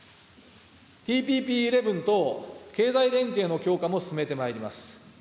ＴＰＰ１１等経済連携の強化も進めてまいります。